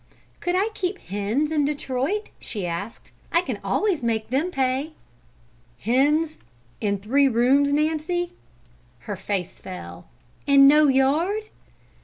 "Could I keep hens in Detroit?" she asked. "I can always make them pay." "Hens in three rooms, Nancy?" Her face fell. "And no yard?"